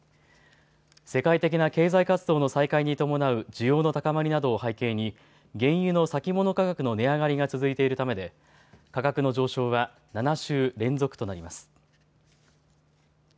世界的な経済活動の再開に伴う需要の高まりなどを背景に原油の先物価格の値上がりが続いているためで価格の上昇は７週連続となります。